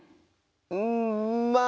うんまあ